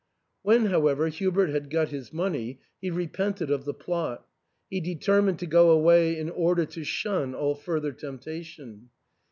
When, however, Hubert had got his money, he repented of the plot ; he determined to go away in order to shun all further temptation.